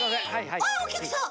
はいおきゃくさん。